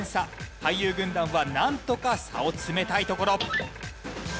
俳優軍団はなんとか差を詰めたいところ。